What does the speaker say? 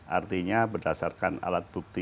artinya berdasarkan alat bukti